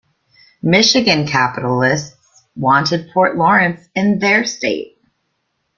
Michigan capitalists wanted Port Lawrence in "their" state.